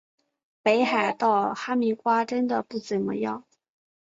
北海道哈密瓜真的不怎么样